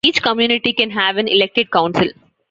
Each community can have an elected council.